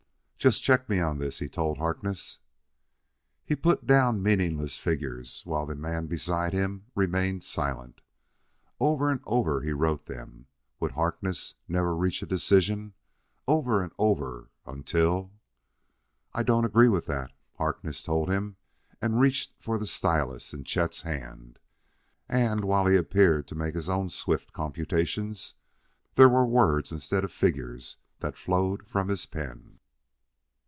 "Just check me on this," he told Harkness. He put down meaningless figures, while the man beside him remained silent. Over and over he wrote them would Harkness never reach a decision? over and over, until "I don't agree with that," Harkness told him and reached for the stylus in Chet's hand. And, while he appeared to make his own swift computations, there were words instead of figures that flowed from his pen.